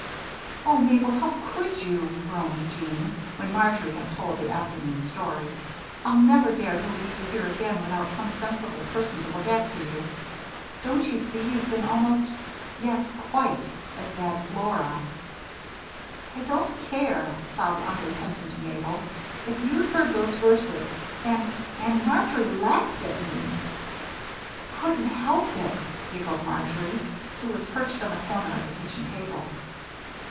"Oh, Mabel! how could you!" groaned Jean, when Marjory had told the afternoon's story. "I'll never dare to leave you here again without some sensible person to look after you. Don't you see you've been almost yes, quite as bad as Laura?" "I don't care," sobbed unrepentant Mabel. "If you'd heard those verses and and Marjory laughed at me." "Couldn't help it," giggled Marjory, who was perched on the corner of the kitchen table.